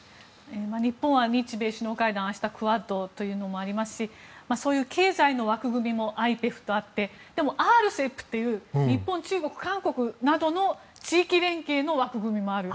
日本は日米首脳会談もありますし明日クアッドというのもありますしそういう経済の枠組みもＩＰＥＦとあってでもＲＣＥＰという日本、中国、韓国などの地域連携の枠組みもある。